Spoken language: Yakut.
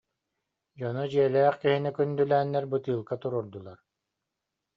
Дьоно дьиэ- лээх киһини күндүлээннэр бытыылка туруордулар